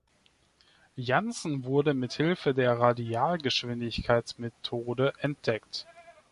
Janssen wurde mithilfe der Radialgeschwindigkeitsmethode entdeckt.